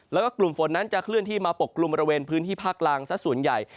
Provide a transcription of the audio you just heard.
แล้วก็กลุ่มฝนนั้นจะเคลื่อนที่มาปกกลุ่มบริเวณพื้นที่ภาคล่างสักส่วนใหญ่